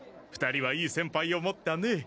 ２人はいい先輩を持ったね。